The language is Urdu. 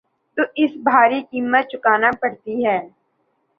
تو اسے بھاری قیمت چکانا پڑتی ہے۔